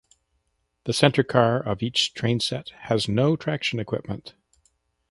The centre car of each trainset has no traction equipment.